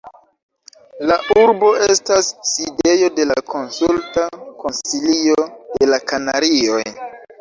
La urbo estas sidejo de la Konsulta Konsilio de la Kanarioj.